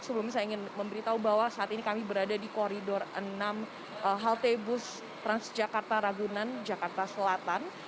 sebelumnya saya ingin memberitahu bahwa saat ini kami berada di koridor enam halte bus transjakarta ragunan jakarta selatan